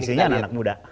disini anak anak muda